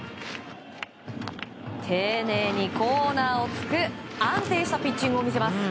丁寧にコーナーをつく安定したピッチングを見せます。